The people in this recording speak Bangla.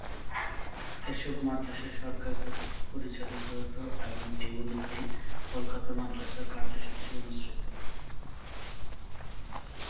এসব মাদ্রাসা সরকার কর্তৃক পরিচালিত হতো এবং এগুলিতে কলকাতা মাদ্রাসার পাঠ্যসূচি অনুসৃত হতো।